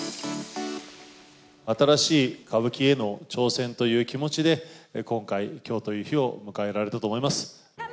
新しい歌舞伎への挑戦という気持ちで、今回、きょうという日を迎えられたと思います。